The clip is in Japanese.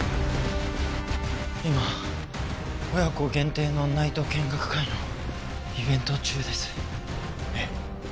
今親子限定のナイト見学会のイベント中ですえっ？